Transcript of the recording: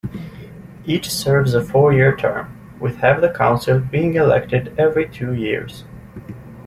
Each serves a four-year term, with half the council being elected every two years.